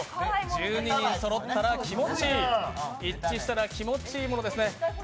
１２人そろったら気持ちいい一致したら気持ちいいものですね。